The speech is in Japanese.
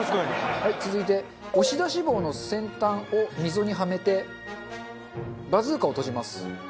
はい続いて押し出し棒の先端を溝にはめてバズーカを閉じます。